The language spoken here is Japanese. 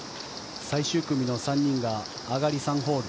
最終組の３人が上がり３ホール。